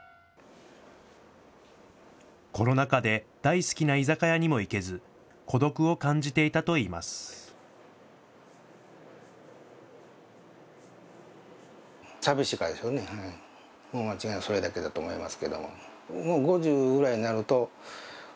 コロナ禍で大好きな居酒屋にも行けず、孤独を感じていたといいます。